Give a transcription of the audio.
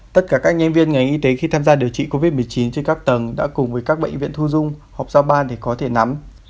tất cả các nhân viên ngành y tế khi tham gia điều trị covid một mươi chín trên các tầng đã cùng với các bệnh viện thu dung họp giao ban thì có thể nắm